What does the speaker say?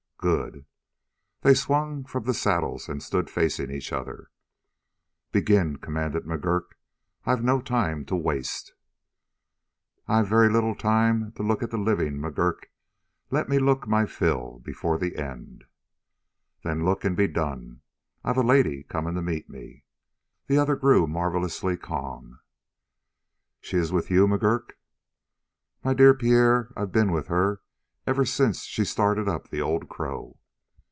"Good." They swung from the saddles and stood facing each other. "Begin!" commanded McGurk. "I've no time to waste." "I've very little time to look at the living McGurk. Let me look my fill before the end." "Then look, and be done. I've a lady coming to meet me." The other grew marvelously calm. "She is with you, McGurk?" "My dear Pierre, I've been with her ever since she started up the Old Crow."